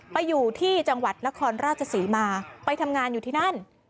ไปอยู่ที่จังหวัดนครราชศรีมาไปทำงานอยู่ที่นั่น